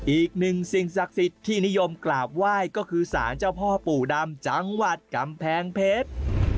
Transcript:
สิ่งศักดิ์สิทธิ์ที่นิยมกราบไหว้ก็คือสารเจ้าพ่อปู่ดำจังหวัดกำแพงเพชร